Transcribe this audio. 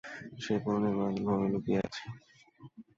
সে কোননির্মাণাধীন ভবনে লুকিয়ে আছে।